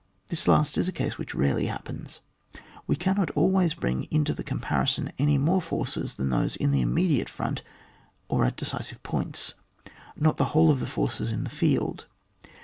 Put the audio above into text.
This last is a case which rarely happens ; we cannot always bring into the comparison any more forces than those in the inmiediate front or at deci sive points, not the whole of the forces in the field.